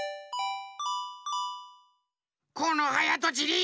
このはやとちり！